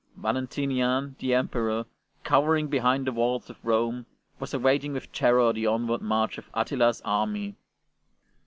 Valen tinian the Emperor, cowering behind the walls of Rome, was awaiting with terror the onward march of Attila's army.